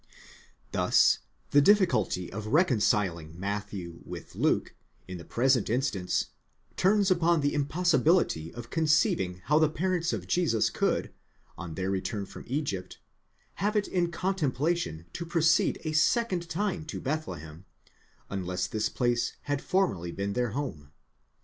Thus the difficulty of reconciling Matthew with Luke, in the present instance, turns upon the impossibility of conceiving how the parents of Jesus could, on their return from Egypt, have it in contemplation to proceed a second time to Bethlehem unless this place had formerly been their home.